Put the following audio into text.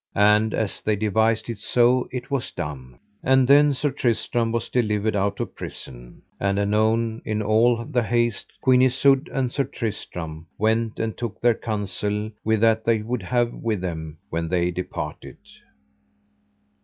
And as they devised it so it was done. And then Sir Tristram was delivered out of prison; and anon in all the haste Queen Isoud and Sir Tristram went and took their counsel with that they would have with them when they departed.